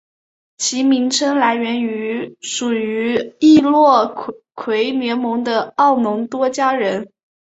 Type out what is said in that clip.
其名称来源于属于易洛魁联盟的奥农多加人。